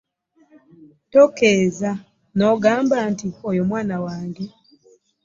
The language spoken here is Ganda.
Tokeza nogamba nti oyo omwana wange.